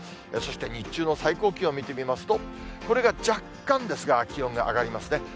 そして日中の最高気温見てみますと、これが若干ですが、気温が上がりますね。